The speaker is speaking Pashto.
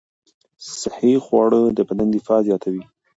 صحي خواړه د بدن دفاع زیاتوي.